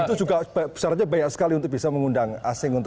itu juga syaratnya banyak sekali untuk bisa mengundang asing